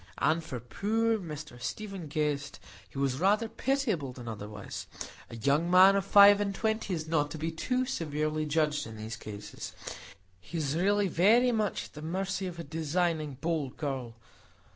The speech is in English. As for poor Mr Stephen Guest, he was rather pitiable than otherwise; a young man of five and twenty is not to be too severely judged in these cases,—he is really very much at the mercy of a designing, bold girl.